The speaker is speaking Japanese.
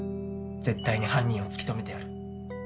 絶対に犯人を突き止めてやる。